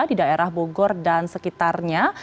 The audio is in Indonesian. di daerah bogor dan sekitarnya